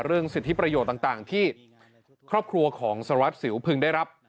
สิทธิประโยชน์ต่างที่ครอบครัวของสารวัตรสิวพึงได้รับ